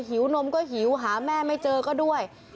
วนมก็หิวหาแม่ไม่เจอก็ด้วย